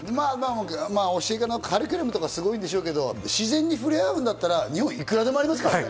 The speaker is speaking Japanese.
カリキュラムとかすごいんでしょうけど、自然に触れ合うんだったら日本にいくらでもありますからね。